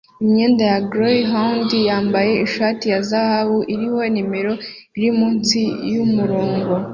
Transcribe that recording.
Imyenda ya gryhound yambaye ishati ya zahabu iriho nimero iri munsi yumurongo